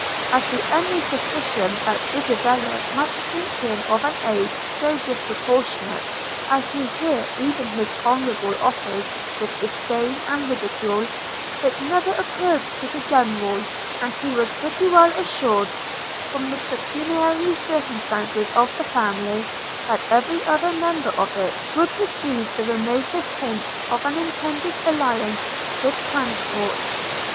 As to any suspicion that Isabella might think him of an age so disproportionate as to hear even his honourable offers with disdain and ridicule, it never occurred to the General; and he was pretty well assured, from the pecuniary circumstances of the family, that every other member of it would receive the remotest hint of an intended alliance with transport.